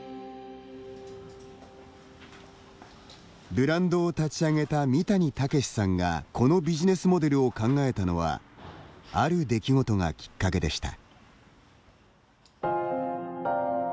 ブランドを立ち上げた三谷武さんがこのビジネスモデルを考えたのはある出来事がきっかけでした。